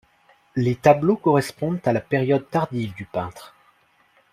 Les tableaux correspondent à la période tardive du peintre.